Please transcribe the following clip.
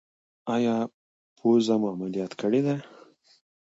ایا پوزه مو عملیات کړې ده؟